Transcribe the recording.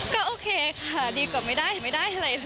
ก็โอเคค่ะดีกว่าไม่ได้อะไรเลย